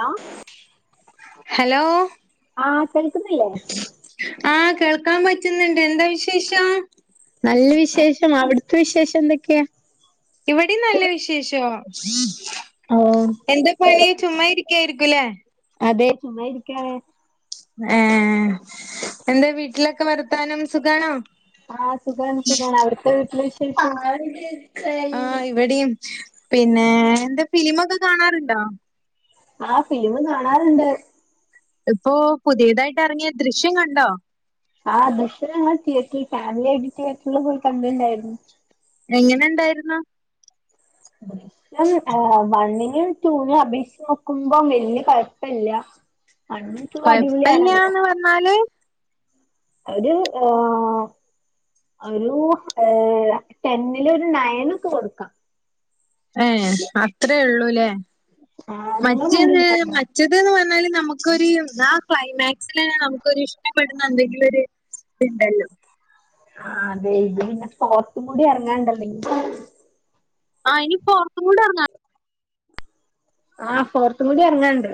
ആ ഹലോ? ആ കേൾക്കുന്നില്ലേ. ആ കേൾക്കാൻ പറ്റുന്നുണ്ട് എന്താ വിശേഷം. നല്ല വിശേഷം അവിടുത്തെ വിശേഷം എന്തൊക്കെയാ. ഇവിടെ നല്ല വിശേഷോ ഓ എന്താ പണി ചുമ്മാ ഇരി ക്ക ആയിരിക്കൂലേ. അതെ ചുമ്മാ ഇരിക്കാണ്. ഏ എന്താ വീട്ടിലൊക്കെ വർത്താനം സുഖാണോ. ആ സുഖാണ് സുഖാണ് അവിടുത്തെ വീട്ടിലെ വിശേഷം. ആ ഇവിടെയും പിന്നെ എന്താ ഫിലിമൊക്കെ കാണാറുണ്ടോ. ആ ഫിലിമ് കാണാറുണ്ട്. ഇപ്പോ പുതിയതായിട്ട് ഇറങ്ങിയ ദൃശ്യം കണ്ടോ. ആ ദൃശ്യം ഞങ്ങൾ തിയേറ്ററിൽ ഫാമിലി ആയിട്ട് തിയേറ്ററില് പോയി കണ്ടിണ്ടായിരുന്നു. എങ്ങനെ ഇണ്ടായിരുന്നു. [inaudible] ഇം വണ്ണിനും ടൂവിനും അപേക്ഷിച്ച് നോക്കുമ്പോ വല്യ കുഴപ്പല്ല. വണ്ണും, റ്റുവും അടിപൊളിയാണല്ലോ. കൊഴപ്പല്ല്യാന്ന് പറഞ്ഞാല് ഒരു ആ ഒരു ഏ ടെന്നില് ഒരു നയൻ ഒക്കെ കൊടുക്കാ. ഏ അത്രേ ഉള്ളൂല്ലേ ആഹ് നിങ്ങള് മറ്റേന്ന് കണ്ടിട്ടുണ്ടായിരുന്നോ മറ്റത്ന്ന് പറഞ്ഞാല് നമുക്കൊരു ആ ക്ലൈമാക്സില് തന്നെ നമുക്കൊര് ഇഷ്ടപ്പെടുന്ന എന്തെങ്കിലും ഒര് തിണ്ടല്ലോ. ആ അതെ ഇത് പിന്നെ ഫോർത്തും കൂടി ഇറങ്ങാണ്ടല്ലോ ഇഞ് ആ ഇനിയിപ്പോ ഫോർത്തുംകൂടെ ഇറങ്ങ ആ ഫോർത്ത്കൂടി ഇറങ്ങാണ്ട്.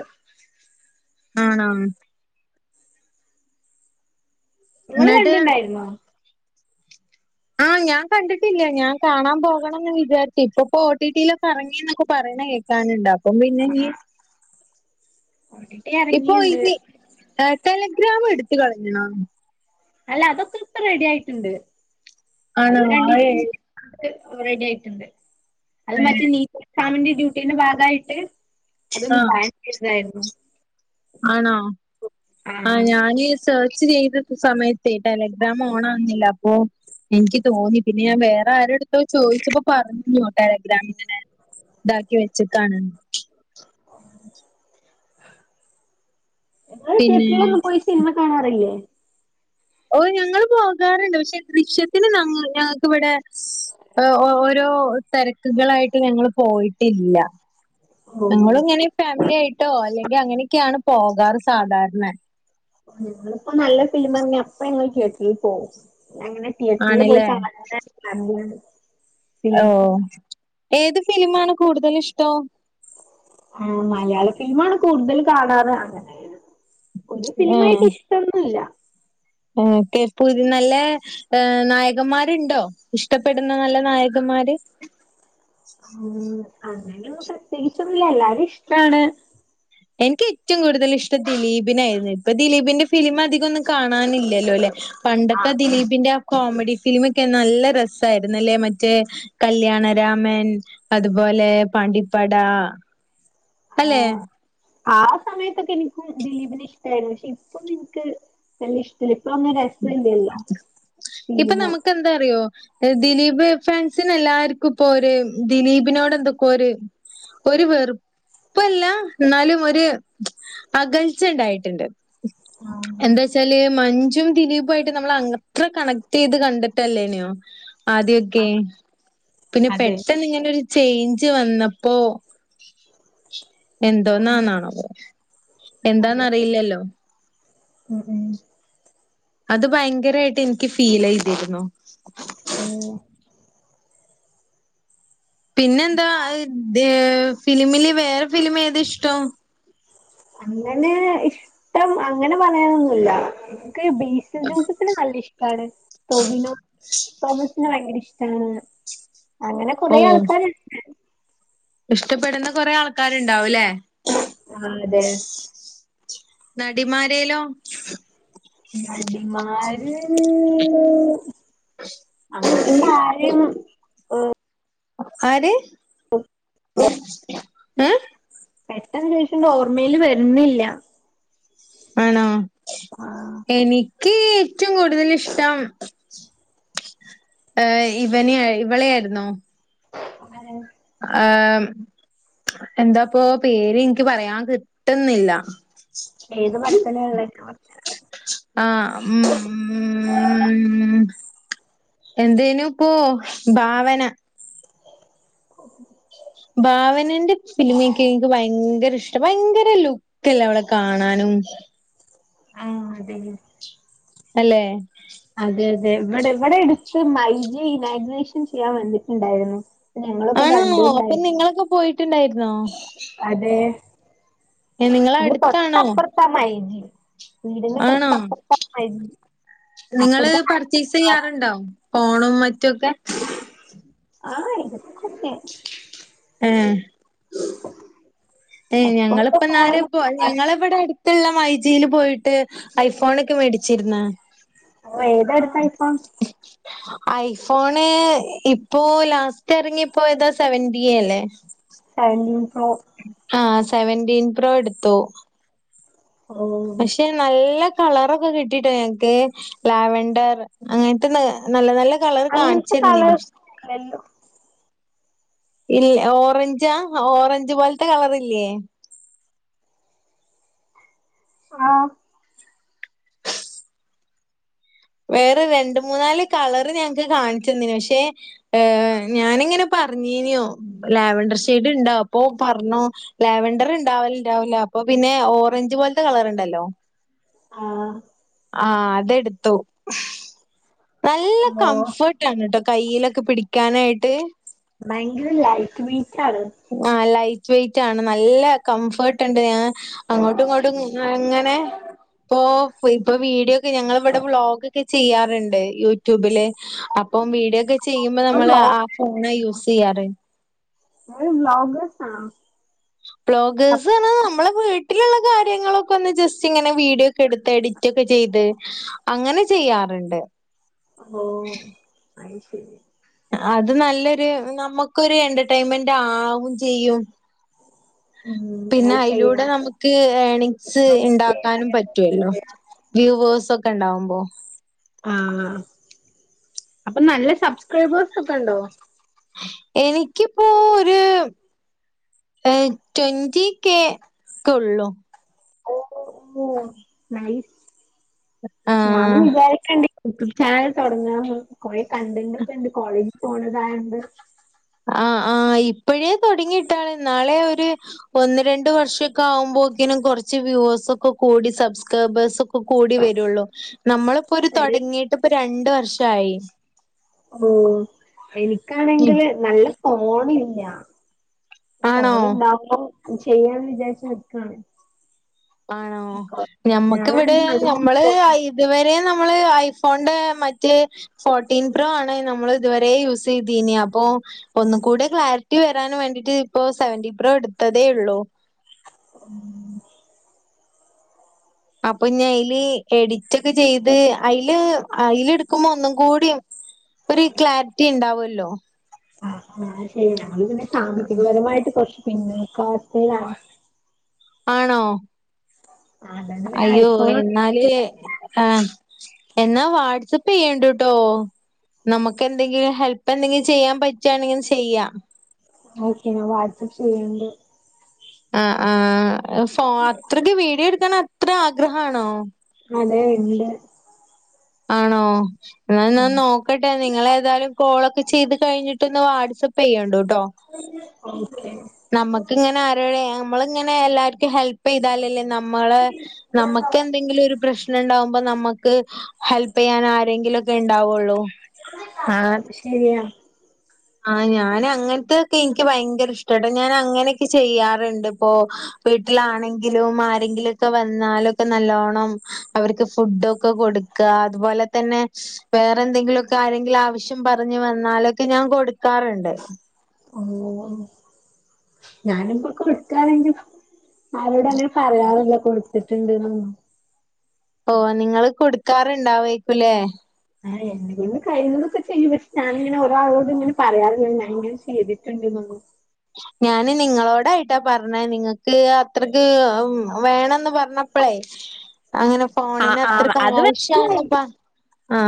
ആണോ? ങ്ങള് എന്നിട്ട് കണ്ടിണ്ടായിരുന്നോ? ആ ഞാൻ കണ്ടിട്ടില്ല. ഞാൻ കാണാൻ പോകണംന്ന് വിചാരിച്ചു ഇപ്പപ്പോ ഒ ട്ടി ട്ടി യിലൊക്കെ ഇറങ്ങിന്നൊക്കെ പറ ണെ കേക്കാനുണ്ട് അപ്പം പിന്നെ ഞ്ഞ് ഓടിട്ട ഇപ്പൊ ഇറങ്ങിയിണ്ട് ഇനി ടെലിഗ്രാം എടുത്ത്‌ കളഞ്ഞോ? അല്ല അതൊക്കെ ഇപ്പ റെഡി ആയിട്ടുണ്ട്. ആണ അത് വായേ രണ്ടീസം റെഡി ആയിട്ടുണ്ട്. അത് ഏ മറ്റ നീ എസാമിന്റെ ഡ്യൂട്ടീന്റെ ഭാഗയിട്ട് ആ അതൊന്ന് ബാ ചെയ്തായിരുന്നു. ആണോ ആ ഞാന് [unintelligible] സമയത്തെ ടെലഗ്രാം ഓണാക്കുന്നില്ല അപ്പോ എനിക്കുതോന്നി പിന്നെ ഞാൻ വേറെ ആരുടെടുത്തൊ ചോദിച്ചപ്പോ പറഞ്ഞു ടെലഗ്രാമിങ്ങനെ ഇതാക്കി വെച്ചുകാണണം [inaudible] നിങ്ങള് പിന്നെ തിയേറ്ററിലൊന്നും പോയി സിനിമ കാണാറില്ലേ ഓ ഞങ്ങള് പോകാറുണ്ട് പക്ഷെ ദൃശ്യത്തിന് ഞങ്ങക്കിവിടെ ഒ ഓരോ രോ തിരക്കുകളായിട്ട് ഞങ്ങള് പോയിട്ടില്ല ഓ ഞങ്ങളിങ്ങനെ ഫാമിലി ആയിട്ടോ അല്ലെങ്കിൽ അങ്ങനെയൊക്കെയാണ് പോകാറ് സാധാരണ ഞങ്ങളിപ്പോ നല്ല ഫിലിമിറങ്ങിയാ അപ്പ ഞങ്ങള് തിയേറ്ററിൽ പോകും അങ്ങനെ തിയേറ്ററിൽ പോയി ആണല്ലേ സാധാരണ കണ്ടിനട് ഓ ഏതുഫിലിമാണ് കൂടുതലിഷ്ടോ ആ മലയാളഫിലിമാണ് കൂടുതൽ കാണാറ് അങ്ങനെ ഒരു ഫിലിമായിട്ട് ഇഷ്ടമൊന്നുമില്ല ഉം കെപ്പൂര് നല്ല നായകന്മാരുണ്ടോ ഇഷ്ടപ്പെടുന്ന നല്ല നായകന്മാ ആര് ഉം അങ്ങനെ പ്രത്യേകിച്ചൊന്നുമില്ല എല്ലാരേം ഇഷ്ടാണ് എനിക്ക് ഏറ്റവും കൂടുതലിഷ്ടം ദിലീപിനെയായിരുന്നു ഇപ്പൊ ദിലീപിന്റെ ഫിലിം അധികമൊന്നും കാണാനില്ലല്ലോ അല്ലെ ആ പണ്ടത്തെ ദിലീപിന്റെ അ കോമഡി ഫിലിമൊക്കെ നല്ല രസായിരുന്നു അല്ലെ മറ്റെ കല്യാണരാമൻ അതുപോ ലെ പാണ്ടിപ്പട [inaudible] അല്ലേ ആ സമയത്തൊക്കെ എനിക്കും ദിലീപിനെ ഇഷ്ടായിരുന്നു പക്ഷെ ഇപ്പം എൻക്ക് വലൃ ഇഷ്ട ഇപ്പം ഫിലിമ് നമുക്കെന്താറിയോ ദിലീപ് ഫാൻസിന് എല്ലാർക്കിപ്പോര് ദിലീപിനോട് എന്തൊക്കോര് ഒരു വെറുപ്പല്ല എന്നാലും ഒരു അകൽച്ച ഉണ്ടായിട്ടുണ്ട് എന്താ വച്ചാല് മഞ് റ്റും ദിലീപുമായിട്ട് നമ്മൾ അങ്ങത്ര കണക്ട് ചെയ്ത് കണ്ടിട്ടല്ലേനിയോ ആ ആദ്യക്കെ പിന്നെ അതെ പെട്ടെന്നിങ്ങനൊരു ചേഞ്ചുവന്നപ്പോ ഉം എന്തോന്നന്നാണാവോ അതെ എന്താന്നറിയില്ലല്ലോ ഉം ഉം അത് ഭയങ്കരായിട്ട് എനിക്കുഫീലുചെയ്തിരുന്നു ഓ പിന്നെന്താ ഏ ഫിലിമില് വേറെ ഫിലിം ഏത് ഇഷ്ടം അങ്ങനെ ഇഷ്ടം അങ്ങനെ പറയാനൊന്നുമില്ല ക്ക് ബേസിൽജോസഫിനെ നല്ല ഇഷ്ടമാണ് ടോവിനോ തോമസ് ന്നെ ഭയങ്കരഇഷ്ടാണ് അങ്ങനെ ഓ കൊറെ ആൾക്കാരുണ്ട് ഇഷ്ടപ്പെടുന്ന കൊറെ ആൾക്കാരുണ്ടാവൂലേ ആ അതെ നടിമാരേലോ നടിമാര് അങ്ങനെ താഴേം ഉം ആര് [unintelligible] ഏ പെട്ടെന്നുചോദിക്കുമ്പം ഓർമയിലുവരുന്നില്ല ആണോ എനി നിക്ക് ഏറ്റവും കൂടുതലിഷ്ടം ഏ ഇവനെ ഇവളെ ആയിരുന്നോ? [unintelligible] ആ മ് എന്താപ്പൊ പേര് ഇൻക്ക് പറയാൻ കിട്ട്ന്നില്ല. ഏത് പടത്തിലിള്ളെ [unintelligible] ആ മ് മ് മ് മ് മ് മ് എന്തേനു ഇപ്പൊ ഭാവന. ഭാവനന്റെ ഫിലിമ്ക്കെ ഇൻക്ക് ഭയങ്കര ഇഷ്ട ഭയങ്കര ലുക്കല്ലേ അവളെ കാണാനും. [unintelligible] ആ അതെ അല്ലെ? അതെ അതെ ഇവിടെ ഇവിടെ എട്ത്ത് മൈജെ ഇനാഗ്രേഷൻ ചെയ്യാൻ വന്നിട്ട് ണ്ടായിരുന്നു. ഞങ്ങളൊക്കെ ആണോ അപ്പൊ കണ്ട്ണ്ടായി നിങ്ങളൊക്കെ പോയിട്ടുണ്ടായിരുന്നോ? അതെ ഏഹ് ഇന്റെ തൊട്ട നിങ്ങളടുത്താണോ? അപ്പുറത്ത മൈജി വീടിന്റെ ആണോ തൊട്ടപ്പർത്ത മൈജി. നിങ്ങള് അപ്പുറത്തെ പർച്ചേസ്യ്യാറുണ്ടോ, ഫോണും മറ്റൊക്കെ? ആ ഇട്ക്കൊക്കെ ചെയ്യും. ഉം [unintelligible] ഏ ഞങ്ങളിപ്പന്നാരെ ഇപ്പോ ഫോണില് ഞങ്ങളവിടെ അട്ത്ത്ള്ള മൈജിയില് പോയിട്ട് ഐഫോൺ ഒക്കെ മേടിച്ച്. ര്ന്ന ഓ ഏതാട്ത്ത ഐ ഫോൺ? ഐഫോണ് ഇപ്പോ ലാസ്റ്റ് എറങ്ങി ഇപ്പൊ ഏതാ സെവന്റി എ അല്ലേ? Seventeen pro. ആ സെവൻറീൻ പ്രോ എടുത്തു. ഓ പക്ഷെ നല്ല കളറൊക്കെ കിട്ടിട്ടോ ഞങ്ങ്ക്ക് ലാവണ്ടർ അങ്ങൻത്തെ നല്ല നല്ല കളറ് അങ്ങനത്തെ കാൺചെന്നിനു കളേഴ്സ് ഇല്ലല്ലോ ഇൽ ഓറഞ്ചാ ഓറഞ്ച് പോൽത്തെ കളറ് ഇല്ലേ? ആ വേറെ രണ്ട് മൂന്നാല് കളറ് ഞങ്ങ്ക്ക് കാൺച്ചെന്നിന് പക്ഷെഏ ഞാനിങ്ങനെ പ പർഞ്ഞീനോ ലാവണ്ടർ ഷെയ്ഡ് ഇണ്ടാ അപ്പൊ പർഞ്ഞു ലാവണ്ടർ ഇണ്ടാവൽ ണ്ടാവൂല അപ്പ അപ്പ പിന്നെ ഓറഞ്ച് പോൽത്തെ കളറ് ണ്ടല്ലോ ആ ആ അതെട്ത്തു. നല്ല ഓ കംഫർട്ട് ആണ് ട്ടോ കയ്യിലൊക്കെ പിടിക്കാനായിട്ട്. വയങ്കര ലൈക്ക് ബീ ആ ലൈറ്റ് വൈറ്റ് ആണ്. നല്ല കംഫർട്ട് ഇണ്ട് ഏ അങ്ങോട്ടും ഇങ്ങോട്ടും [unintelligible] ഇങ്ങനെ ഇപ്പൊ പൊയി ഇപ്പൊ വീഡിയോ ഒക്കെ ഞങ്ങള് ഇവിടെ വ്ളോഗ് ഒക്കെ ചെയ്യാറ്ണ്ട് യൂട്യൂബില് അപ്പം വീഡിയോ ക്കെ ചെയ്യുമ്പോ നമ്മള് ബ്ലോഗ് ആ ഫോണ യൂസ്യ്യാറ്. ഇങ്ങള് വ്ലോഗെ സാണോ? പ്ലോഗേഴ്സ് ആണ് നമ്മള് വീട്ടില്ള്ള കാര്യങ്ങളൊക്കെ ഒന്ന് ജസ്റ്റ് ഇങ്ങനെ വീഡിയോക്കെ എട്ത്തു എഡിറ്റ് ഒക്കെ ചെയ്ത് അങ്ങന ചെ യ്യാറ്ണ്ട്. അയ് ശെരി. അത് നല്ലൊരു നമ്ക്കൊരു എന്റർടൈൻമെന്റ് ആവും ചെയ്യും. ഉം പിന്നെ അത് ശരിയാ അയിലൂടെ നമുക്ക് ഏണിഗ്സ് ഓ, ഇണ്ടാക്കാനും പറ്റുവല്ലോ? ശരിയാ. വ്യൂവേഴ്സ് ഒക്കെ ഇണ്ടാവുമ്പോ ആ അപ്പ നല്ല സബ്സ്ക്രൈബേഴ്സ്ക്കെ ഇണ്ടോ? എനിക്കിപ്പോ ഒരു ഏ ട്വന്റി കെ ഉള്ളു. ഓ ഓ നൈസ് ഞാനും ആഹ് വിചാരിക്കേണ്ട് ചായതുടങ്ങാ കൊറെ കണ്ടന്റ് ഒക്കെ ഉണ്ട് കോളേജിൽ പോണതായോണ്ട് ആ ആ ഇപ്പോഴേ തുടങ്ങിട്ടാണ് നാളെ ഒരു ഒന്ന് രണ്ട് വർഷമൊക്കെ ആകുമ്പോ ക്ക കുറച്ച് വിവേഴ്സ് ഒക്കെ കൂടി സബ്സ്ക്രൈബേഴ്സ് കൂടി വരുള്ളു. നമ്മളിപ്പോഒരു നല്ല തുടങ്ങിട്ട്ഇപ്പൊ രണ്ടുവർഷായി. ഓ എനിക്കാണെങ്കില് നല്ല ഫോണില്ല. ആണോ ഫോണുണ്ടാവുമ്പോൾ ചെയ്യാന്ന് വിചാരിച്ച് നിൽക്കാണ്. ആണോ? ഞമ്മക്കിവിടെ നല്ലോണം ഞമ്മള് ഇതുവരെ നമ്മള് ഐഫോണിന്റെ മറ്റ് ഫോർട്ടീൻ പ്രോ ആണ് നമ്മൾ ഇതുവരെ യൂസ് ചെയ്തീന അപ്പോ ഒന്നുകൂടെ ക്ലാരിറ്റി വരാൻ വേണ്ടിട്ട് ഇപ്പോ സെവന്റി പ്രോ എടുത്തതേ ഉള്ളൂ. [unintelligible] അപ്പൊ ഞാനതില് എഡിറ്റൊക്കെ ചെയ്ത് അതില് അതിൽ എടുക്കുമ്പോ ഒന്നും കൂടി ഒരു ക്ലാരിറ്റി ഉണ്ടാവുവല്ലോ. ആ അത് ശരി നമ്മൾപിന്നെ സാമ്പത്തികപരമായിട്ട് കുറച്ച് പിന്നോക്കാവസ്ഥയിലാണ്. ആണോ? അതോണ്ട് പിന്നെ അയ്യോ ഐഫോൺ എന്നാല് ആ എന്നാ വാട്സപ്പ് പെയ്യാണ്ടുട്ടോ നമുക്ക് എന്തെങ്കിലും ഹെൽപ് എന്തെങ്കിലും ചെയ്യാൻ പറ്റുവാണെങ്കിലും ചെയ്യാം. ഓക്കെ. ഞാൻ വാട്സ്ആപ്പ് ചെയ്യണുണ്ട്. ആ ആ ഫേ അത്രക്ക് വിഡിയോ എടുക്കാൻ അത്ര ആഗ്രഹമാണോ? അതെ ഉണ്ട്. ആണോ? എന്നാൽ ഞാൻ നോക്കട്ടെ നിങ്ങൾഏതായാലും കോളൊക്കെ ചെയ്ത് കഴിഞ്ഞി ന്ന് വാട്സ്ആപ്പ് ചെയ്യുണ്ടുട്ടോ. ഓക്കെ നമ്മുക്കിങ്ങനെ ആരോടെ നമ്മളിങ്ങനെ എല്ലാവർക്കും ഹെൽപ് ചെയ്താലല്ലേ ന നമ്മളെ നമുക്ക് എന്തെങ്കിലും ഒരു പ്രശ്നം ഉണ്ടാവു അപ്പം നമുക്ക് ഹെൽപ് ചെയ്യാൻ ആരെങ്കിലുമൊക്കെ ഉണ്ടാവുള്ളൂ. ആ അത് ശരിയാ. ആ ഞാൻ അങ്ങനത്തൊക്കെ എനിക്ക് ഭയങ്കര ഇഷ്ടാട്ടോ. ഞാൻ അങ്ങനൊക്കെ ചെയ്യാറുണ്ട് ഇപ്പൊ വീട്ടിലാണെങ്കിലും ആരെങ്കിലു ലൊക്കെ വന്നാലൊക്കെ നല്ലോണം അവർക്ക് ഫുഡൊക്കെ കൊടു കൊടുക്ക. അതുപോലെ തന്നെ വേറെന്തെങ്കിലും ഒക്കെ ആരെങ്കിലും ആവശ്യം പറഞ്ഞു വന്നാലൊക്കെ ഞാൻ കൊടു ടുക്കാറുണ്ട്. ഓ ഓ ഞാനും കൊടുക്കാറുണ്ട്. ആരോടും അങ്ങനെ പറയാറില്ല കൊടുത്തിട്ടുണ്ട് എന്നൊന്നു. ഓ നിങ്ങള് കൊടുക്കാറുണ്ടാവേക്കല്ലേ? ആ എന്നെകൊണ്ട് കഴിയുന്നതൊക്കെ ചെയ്യും. പക്ഷെ ഞാനിങ്ങനെ ഒരാളോടും ഇങ്ങനെ പറയാറില്ല ഞാനിങ്ങനെ ചെയ്തിട്ടുണ്ട് എന്നും ഞാന് നിങ്ങളോടായിട്ടാ പറഞ്ഞേ നിങ്ങക്ക് അത്രയ്ക്ക് വേണന്ന് പറഞ്ഞപ്പോളേ അങ്ങനെ ആഹ് ഫോണിന് ആഹ് അത്രയ്ക്ക് അത് ആവശ്യ മനസ്സിലായി ണപ്പ ആ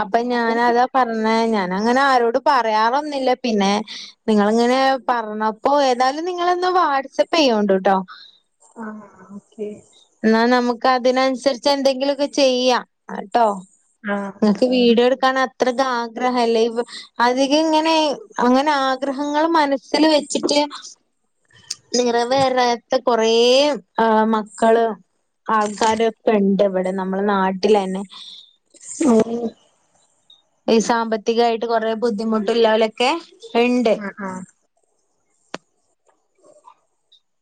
അപ്പൊ ഞാനതാ പറഞ്ഞ ഞാൻ അങ്ങനെ ആരോട് പറയാറൊന്നില്ല പിന്നെ നിങ്ങളിങ്ങനെ പറഞ്ഞപ്പൊ ഏതായാലും നിങ്ങളൊന്ന് വാട്സപ്പ് ചെയ്യൂണ്ടട്ടോ. ആ ഓക്കെ. ക്കതിനനുസരിച്ച് എന്തെങ്കിലൊക്കെ ചെയ്യാ ട്ടോ. ആഹ് ങ്ങക്ക് വീഡിയൊട്ക്കാന അത്രക്ക് ആഗ്രഹല്ലേ ഇവ് അധിക ങ്ങനെ അങ്ങനെ ആഗ്രഹങ്ങൾ മന സിൽ വെച്ചിട്ട് നിറവേറാ കൊറേ ആ മക്കള്. ആൾക്കാരൊക്കെ ണ്ട് ഇവിടെ നമ്മളെ നാട്ടിലെന്നെ. ആമീൻ ഈ സാമ്പത്തികായിട്ട് കൊറെ ബുദ്ധിമുട്ട്ല്ലോലക്കെ ഇണ്ട്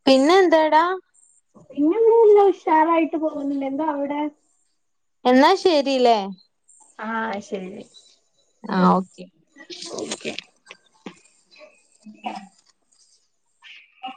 പിന്നെന്താടാ പിന്നൊന്നുല്ല ഉഷാറായിട്ട് പോകുന്നുണ്ട് എന്താ അവിടെ എന്നാ ശരില്ലേ ആ ശെരി ആ ഓക്കെ [inaudible]